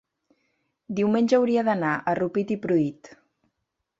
diumenge hauria d'anar a Rupit i Pruit.